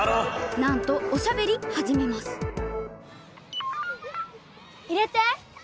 なんとおしゃべりはじめます入れて！